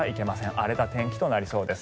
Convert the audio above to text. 荒れた天気となりそうです。